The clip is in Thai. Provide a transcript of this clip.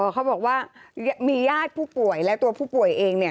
เขาบอกว่ามีญาติผู้ป่วยและตัวผู้ป่วยเอง